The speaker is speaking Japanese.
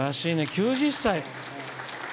９０歳。